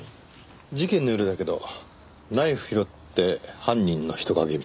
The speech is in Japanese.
事件の夜だけどナイフ拾って犯人の人影を見た。